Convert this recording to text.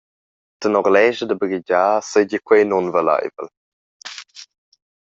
Tenor lescha da baghegiar seigi quei nunvaleivel.